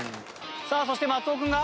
さあそして松尾君が。